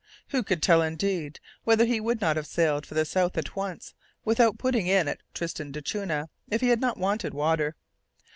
Who could tell indeed, whether he would not have sailed for the south at once without putting in at Tristan d'Acunha, if he had not wanted water?